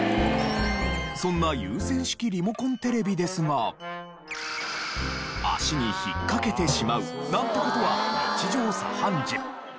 そんな有線式リモコンテレビですが足に引っ掛けてしまうなんて事は日常茶飯事。